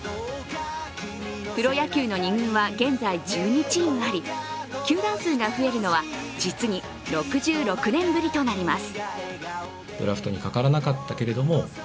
プロ野球の２軍は現在１２チームあり、球団数が増えるのは実に６６年ぶりとなります。